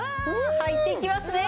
入っていきますね。